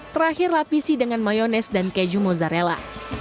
terakhir lapisi dengan mayonese dan keju mozzarella